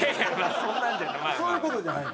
そういう事じゃないの？